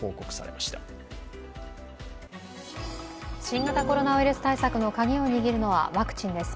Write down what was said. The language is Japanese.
新型コロナウイルス対策のカギを握るのはワクチンです。